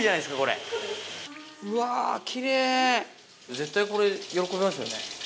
絶対これ喜びますよね。